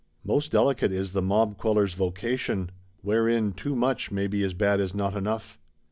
Most delicate is the mob queller's vocation; wherein Too much may be as bad as Not enough.